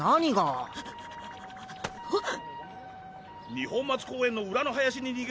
二本松公園の裏の林に逃げ込んだ